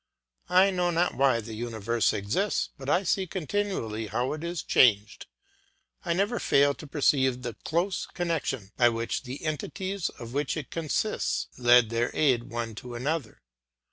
I know not why the universe exists, but I see continually how it is changed; I never fail to perceive the close connection by which the entities of which it consists lend their aid one to another.